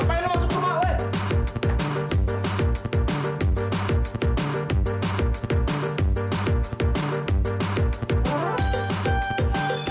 sampai lu masuk rumah